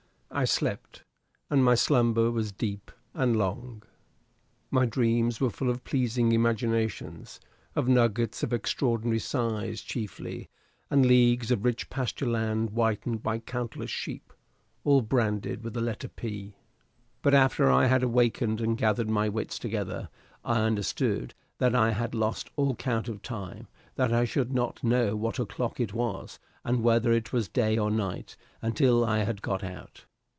I slept, and my slumber was deep and long. My dreams were full of pleasing imaginations of nuggets of extraordinary size, chiefly, and leagues of rich pasture land whitened by countless sheep, all branded with the letter P. But after I had awakened and gathered my wits together, I understood that I had lost all count of time, that I should not know what o'clock it was, and whether it was day or night, until I had got out.